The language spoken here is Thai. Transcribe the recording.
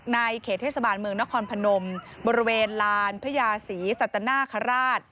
เขตเทศบาลเมืองนครพนมบริเวณลานพญาศรีสัตนาคาราช